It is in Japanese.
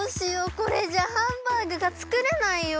これじゃハンバーグがつくれないよ！